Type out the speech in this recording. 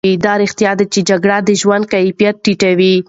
دا رښتیا ده چې جګړې د ژوند کیفیت ټیټوي.